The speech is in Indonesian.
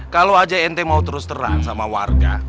kalau aja nt mau terus terang sama warga